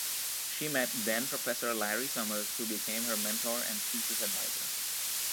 She met then-professor Larry Summers, who became her mentor and thesis adviser.